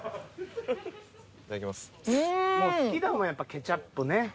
やっぱりケチャップね。